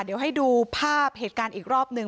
เดี๋ยวให้ดูภาพเหตุการณ์อีกรอบหนึ่ง